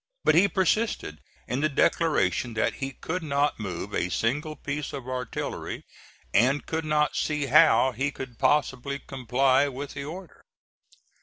But he persisted in the declaration that he could not move a single piece of artillery, and could not see how he could possibly comply with the order.